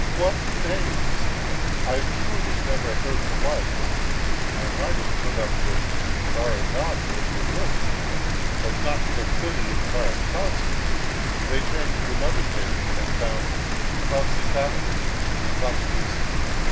"What names! I truly never heard the like. I might have put up with Varadat or Varukh, but not Triphily and Varakhasy!" They turned to another page and found Pavsikakhy and Vakhtisy.